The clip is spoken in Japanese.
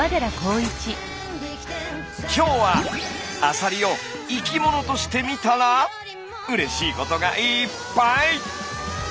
今日はアサリを生き物として見たらうれしいことがいっぱい！